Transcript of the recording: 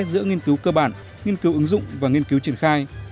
giữa nghiên cứu cơ bản nghiên cứu ứng dụng và nghiên cứu triển khai